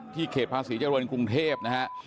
ที่เขตภาษีเจ้าโรยนกรุงเทพนะครับ